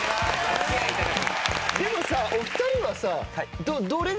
でもさお二人はさ。